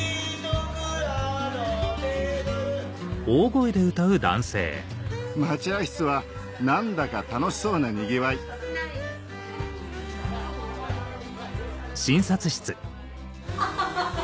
大声で歌っている待合室は何だか楽しそうなにぎわいアハハハ。